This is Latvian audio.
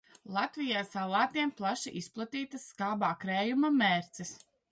Latvijā salātiem plaši izplatītas skābā krējuma mērces.